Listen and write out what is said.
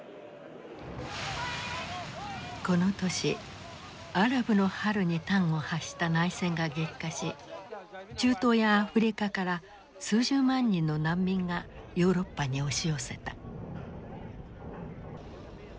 この年アラブの春に端を発した内戦が激化し中東やアフリカから数十万人の難民がヨーロッパに押し寄せた。